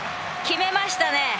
決めましたね！